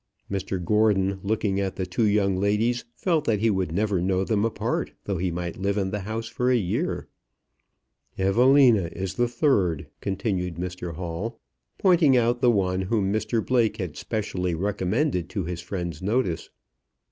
Mr Gordon, looking at the two young ladies, felt that he would never know them apart though he might live in the house for a year. "Evelina is the third," continued Mr Hall, pointing out the one whom Mr Blake had specially recommended to his friend's notice.